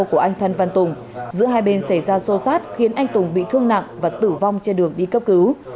của anh thân văn tùng giữa hai bên xảy ra xô xát khiến anh tùng bị thương nặng và tử vong trên đường đi cấp cứu